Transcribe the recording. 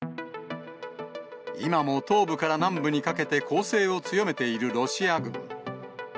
今も東部から南部にかけて攻勢を強めているロシア軍。